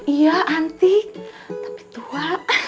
iya anti tapi tua